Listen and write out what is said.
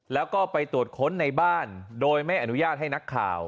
แล้วก็ไปตรวจค้นในบ้านโดยไม่อนุญาตให้นักข่าว